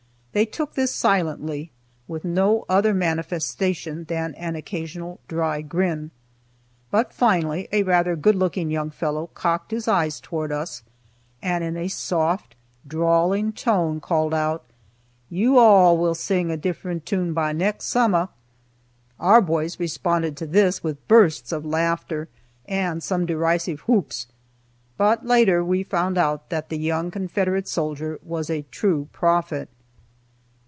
They took this silently, with no other manifestation than an occasional dry grin. But finally, a rather good looking young fellow cocked his eyes toward us and in a soft, drawling tone called out, "You all will sing a different tune by next summah." Our boys responded to this with bursts of laughter and some derisive whoops; but later we found out that the young Confederate soldier was a true prophet.